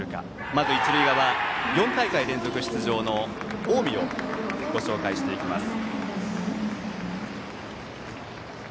まず一塁側４大会連続出場の近江をご紹介していきます。